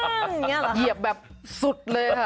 เบิ้ลแบบเหยียบแบบสุดเลยค่ะ